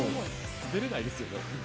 滑れないですよね。